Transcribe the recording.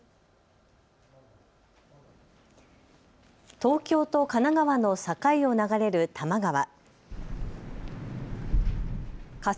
東京と神奈川の境を流れる多摩川。